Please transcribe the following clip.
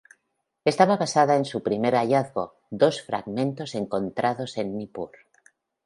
Estaba basada en su primer hallazgo, dos fragmentos encontrados en Nippur.